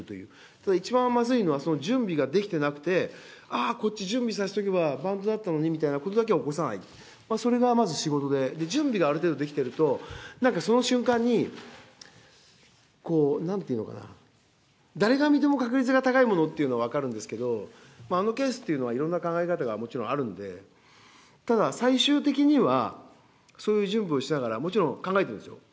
ただ、一番まずいのは、その準備ができてなくて、あぁ、こっち準備させておけば、バントだったのにみたいなことだけは起こさない、それがまず仕事で、準備がある程度できていると、なんかその瞬間に、なんていうのかな、誰から見ても確率が高いものっていうのは分かるんですけど、あのケースっていうのは、いろんな考え方がもちろんあるんで、ただ、最終的にはそういう準備をしながら、もちろん、考えてるんですよ。